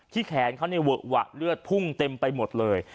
แขนเขาเนี่ยเวอะหวะเลือดพุ่งเต็มไปหมดเลย